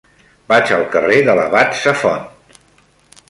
Vaig al carrer de l'Abat Safont.